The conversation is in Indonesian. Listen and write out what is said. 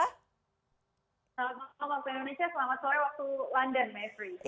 selamat malam waktu indonesia selamat sore waktu london mayfrey